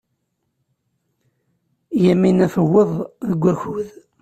Yamina tuweḍ deg wakud.